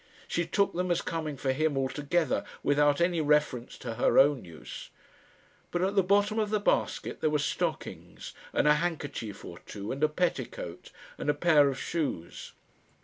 She took them as coming for him altogether, without any reference to her own use. But at the bottom of the basket there were stockings, and a handkerchief or two, and a petticoat, and a pair of shoes.